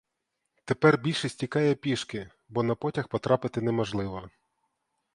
Тепер більшість тікає пішки, бо на потяг потрапити неможливо.